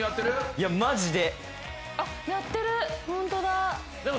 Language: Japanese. いやマジで。